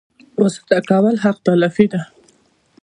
واسطه کول حق تلفي ده